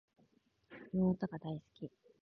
妹が大好き